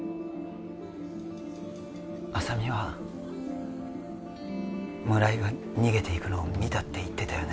浅見は村井が逃げていくのを見たって言ってたよね？